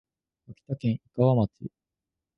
秋田県井川町